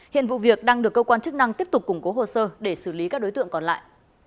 hiện vụ việc đang được cơ quan chức năng tiếp tục củng cố hồ sơ để xử lý các đối tượng còn lại